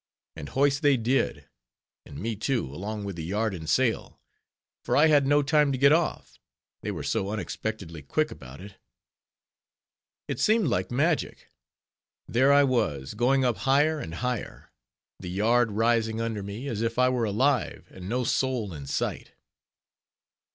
_ And hoist they did, and me too along with the yard and sail; for I had no time to get off, they were so unexpectedly quick about it. It seemed like magic; there I was, going up higher and higher; the yard rising under me, as if it were alive, and no soul in sight.